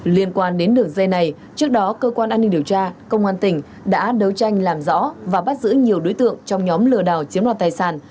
liên quan đến đường dây này trước đó cơ quan an ninh điều tra công an tỉnh đã đấu tranh làm rõ và bắt giữ nhiều đối tượng trong nhóm lừa đảo chiếm đoạt tài sản